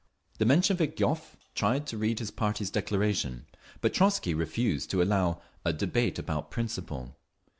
The Menshevik Yoffe tried to read his party's declaration, but Trotzky refused to allow "a debate about principle."